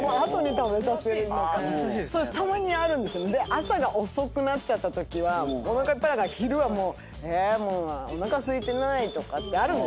朝が遅くなっちゃったときはおなかいっぱいだから昼は「えおなかすいてない」とかってあるんです。